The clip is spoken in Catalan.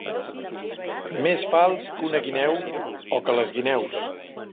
Més fals que una guineu o que les guineus.